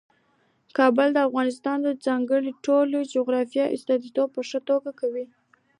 کابل د افغانستان د ځانګړي ډول جغرافیې استازیتوب په ښه توګه کوي.